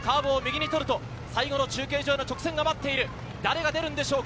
カーブを右に曲がると、最後の中継所への直線が待っている。